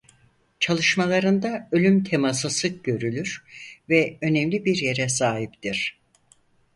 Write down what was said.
Çalışmalarında ölüm teması sık görülür ve önemli bir yere sahiptir.